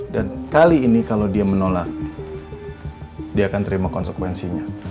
dan kali ini kalau dia menolak dia akan terima konsekuensinya